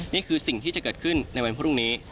นี่คือสิ่งที่จะเกิดขึ้นในวันพรุ่งนี้